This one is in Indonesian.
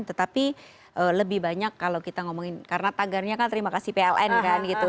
tetapi lebih banyak kalau kita ngomongin karena tagarnya kan terima kasih pln kan gitu